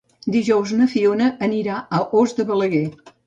Dijous na Fiona anirà a Os de Balaguer.